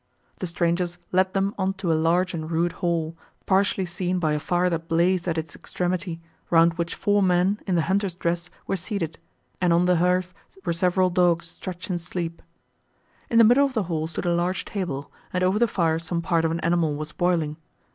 The strangers led them on to a large and rude hall, partially seen by a fire that blazed at its extremity, round which four men, in the hunter's dress, were seated, and on the hearth were several dogs stretched in sleep. In the middle of the hall stood a large table, and over the fire some part of an animal was boiling.